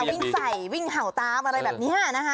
วิ่งไส่วิ่งเห่าตาอะไรแบบนี้